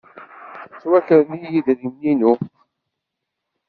Ttwakren-iyi yidrimen-inu.